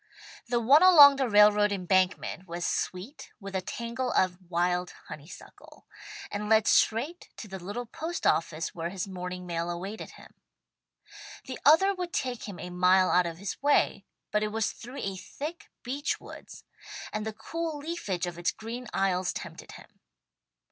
The one along the railroad embankment was sweet with a tangle of wild honeysuckle, and led straight to the little post office where his morning mail awaited him. The other would take him a mile out of his way, but it was through a thick beech woods, and the cool leafage of its green aisles tempted him.